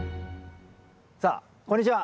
さあこんにちは！